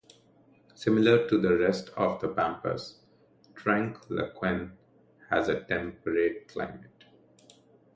Similar to the rest of the Pampas, Trenque Lauquen has a temperate climate.